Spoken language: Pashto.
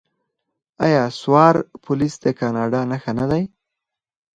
آیا سوار پولیس د کاناډا نښه نه ده؟